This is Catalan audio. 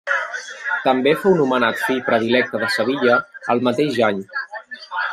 També fou nomenat fill predilecte de Sevilla el mateix any.